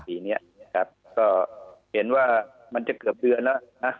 ปีนี้นะครับก็เห็นว่ามันจะเกือบเดือนแล้วนะ